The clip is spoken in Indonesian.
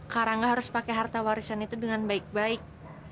karena nggak harus pakai harta warisan itu dengan baik baik